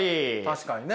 確かにね。